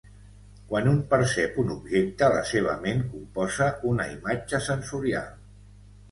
Quan un percep un objecte, la seva ment composa una imatge sensorial.